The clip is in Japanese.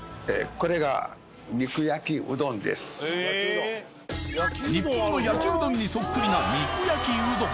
これが日本の焼うどんにそっくりな肉焼きうどん